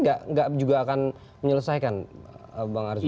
gak juga akan menyelesaikan bang arjo